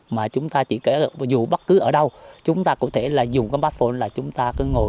mà chúng ta chỉ kể dù bất cứ ở đâu chúng ta có thể dùng cái smartphone là chúng ta cứ ngồi